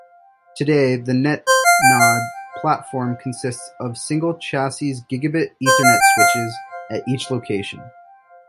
Today the Netnod platform consists of single chassis Gigabit Ethernet switches at each location.